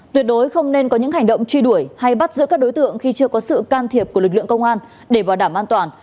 tuyệt đối không nên có những hành động truy đuổi hay bắt giữ các đối tượng khi chưa có sự can thiệp của lực lượng công an để bảo đảm an toàn